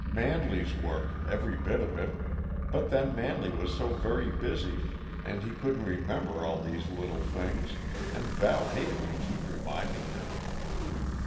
Manley's work, every bit of it but then Manley was so very busy, and he couldn't remember all these little things, and Val hated to keep reminding him.